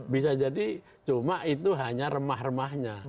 bisa jadi cuma itu hanya remah remahnya